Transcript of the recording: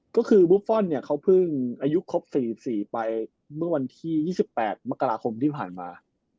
ก็คือบุฟฟอลเนี่ยเขาเพิ่งอายุครบ๔๔ไปเมื่อวันที่๒๘มกราคมที่ผ่านมา